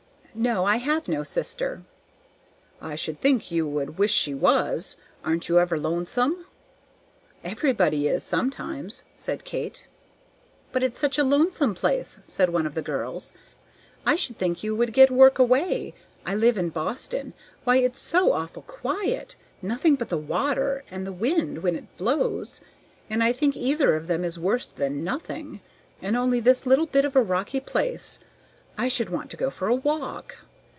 "No, I have no sister." "I should think you would wish she was. Aren't you ever lonesome?" "Everybody is, sometimes," said Kate. "But it's such a lonesome place!" said one of the girls. "I should think you would get work away. I live in Boston. Why, it's so awful quiet! nothing but the water, and the wind, when it blows; and I think either of them is worse than nothing. And only this little bit of a rocky place! I should want to go to walk."